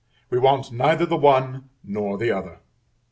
We want neither the one nor the other.